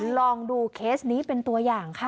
ลองดูเคสนี้เป็นตัวอย่างค่ะ